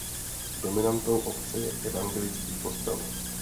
Dominantou obce je evangelický kostel.